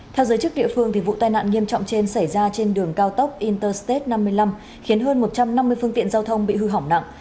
theo giới chức địa phương vụ tai nạn nghiêm trọng trên xảy ra trên đường cao tốc interstat năm mươi năm khiến hơn một trăm năm mươi phương tiện giao thông bị hư hỏng nặng